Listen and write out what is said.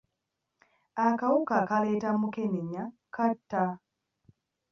Akawuka akaleeta mukenenya katta.